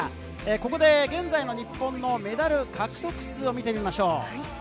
ここで現在の日本のメダル獲得数を見てみましょう。